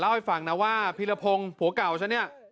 เดี๋ยวเล่าให้ฟังนะว่าพี่ระพงผัวเก่าฉันเนี่ย